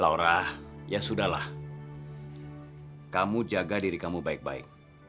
laura ya sudahlah kamu jaga diri kamu baik baik